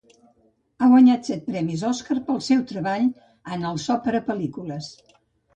Ha guanyat set premis Oscar pel seu treball en el so per a pel·lícules.